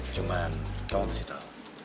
cuman kamu mesti tau